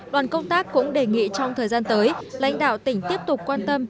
đoàn công tác cũng đề nghị trong thời gian tới lãnh đạo tỉnh tiếp tục quan tâm